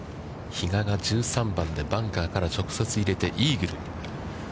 比嘉が１３番でバンカーから直接、入れてイーグル。